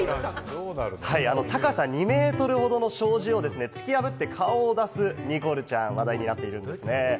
高さなんと２ｍほどの障子をですね、突き破って顔を出す、にこるちゃん、話題になっているんですね。